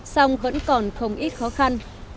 xong vẫn còn không ít khó khăn